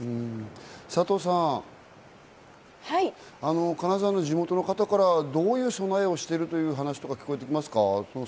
佐藤さん、金沢の地元の方からはどういう備えをしているという話が聞こえてきますか？